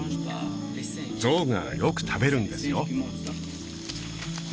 ゾウがよく食べるんですよ